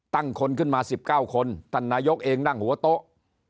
คนขึ้นมา๑๙คนท่านนายกเองนั่งหัวโต๊ะ